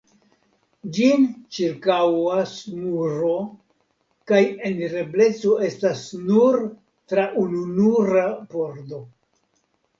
Ĝin ĉirkaŭas muro kaj enirebleco estas nur tra ununura pordo.